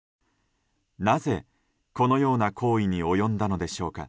なぜ、このような行為に及んだのでしょうか。